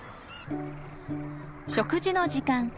食事の時間。